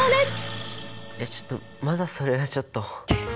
いやちょっとまだそれはちょっと。